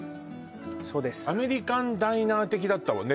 そうですアメリカンダイナー的だったもんね